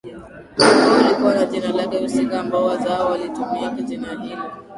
ukoo ulikuwa na jina lake husika ambao wazawa walilitumia jina hilo